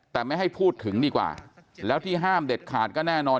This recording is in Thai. แต่ไม่ให้พูดถึงดีกว่าแล้วที่ห้ามเด็ดขาดก็แน่นอน